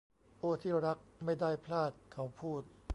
โอ้ที่รักไม่ได้พลาดเขาพูด